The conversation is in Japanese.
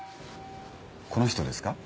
この人ですか？